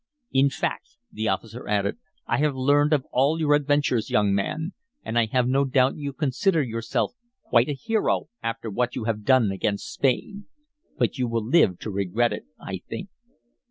"In fact," the officer added, "I have learned of all your adventures, young man. And I have no doubt you consider yourself quite a hero after what you have done against Spain. But you will live to regret it, I think."